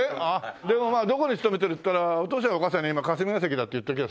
でもまあどこに勤めてるって言ったらお父さんやお母さんに今霞ケ関だって言っとけばさ。